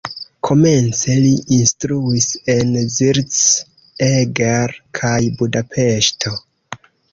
Komence li instruis en Zirc, Eger kaj Budapeŝto.